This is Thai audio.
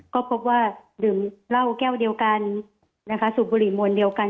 ก็พบว่าดื่มเหล้าแก้วเดียวกันนะคะสูบบุหรี่มวลเดียวกัน